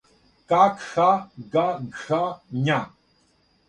ка кха га гха ња